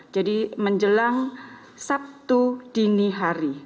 jadi menjelang sabtu dini hari